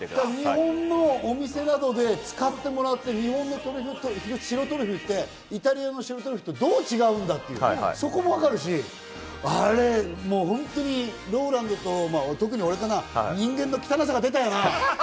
日本のお店などで使ってもらって、日本の白トリュフってイタリアの白トリュフとどう違うんだっていう、そこもわかるし、ＲＯＬＡＮＤと特に俺から人間の汚さが出たな。